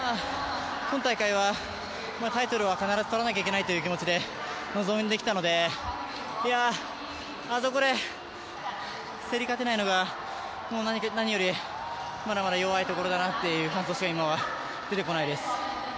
今大会はタイトルは必ずとらなきゃいけないという気持ちで臨んできたので、あそこで競り勝てないのが、もう何よりまだまだ弱いところだなという反省しか今は出てこないです。